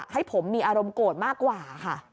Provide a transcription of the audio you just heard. ให้ผมมีอารมณ์โกรธมากกว่าค่ะ